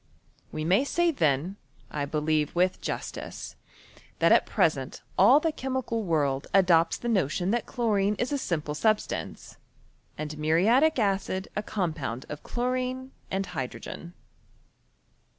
We may say then, 1 believe with jas tice, that at present all the chemical world adopts the notion, that chlorine is a simple substance, and muriatic acid a compound of chlorine and hydrogen.